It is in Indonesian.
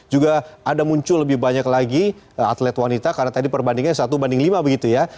juga ada muncul lebih banyak lagi atlet wanita karena tadi perbandingannya satu banding lima begitu ya